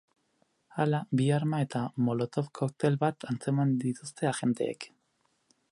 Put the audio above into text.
Hala, bi arma eta molotov koktel bat atzeman dituzte agenteek.